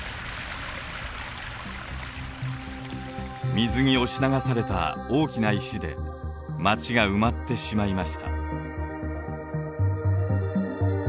水に押し流された大きな石で町が埋まってしまいました。